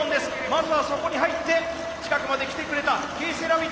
まずはそこに入って近くまで来てくれたＫセラビットに。